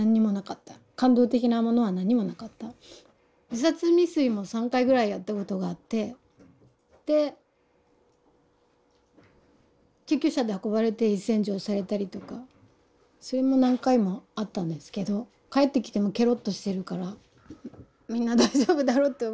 自殺未遂も３回ぐらいやったことがあってで救急車で運ばれて胃洗浄されたりとかそれも何回もあったんですけど帰ってきてもケロッとしてるからみんな大丈夫だろうと思ったみたい。